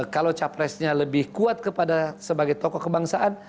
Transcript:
kalau capresnya lebih kuat kepada sebagai tokoh kebangsaan